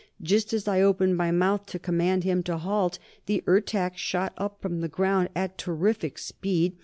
"Just as I opened my mouth to command him to halt, the Ertak shot up from the ground at terrific speed.